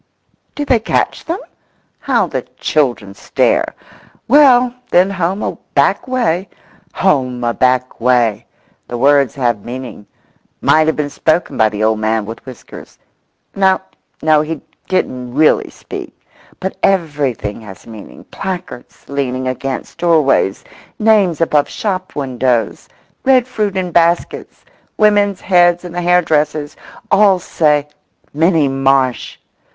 Do they catch them? How the children stare! Well, then home a back way—"Home a back way!" The words have meaning; might have been spoken by the old man with whiskers—no, no, he didn't really speak; but everything has meaning—placards leaning against doorways—names above shop windows—red fruit in baskets—women's heads in the hairdresser's—all say "Minnie Marsh!"